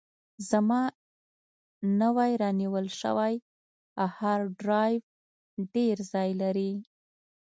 زما نوی رانیول شوی هارډ ډرایو ډېر ځای لري.